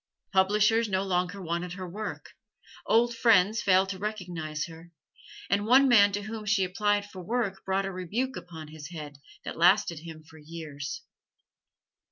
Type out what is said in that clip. Publishers no longer wanted her work, old friends failed to recognize her, and one man to whom she applied for work brought a rebuke upon his head, that lasted him for years.